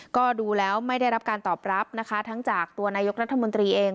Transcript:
ก็ดูแล้วไม่ได้รับการตอบรับนะคะทั้งจากตัวนายกรัฐมนตรีเอง